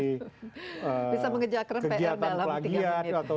bisa mengejarkan pr dalam tiga menit